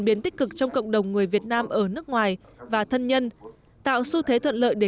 biến tích cực trong cộng đồng người việt nam ở nước ngoài và thân nhân tạo xu thế thuận lợi để